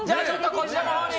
こちらのほうに。